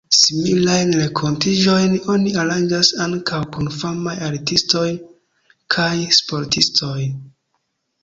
Similajn renkontiĝojn oni aranĝas ankaŭ kun famaj artistoj kaj sportistoj.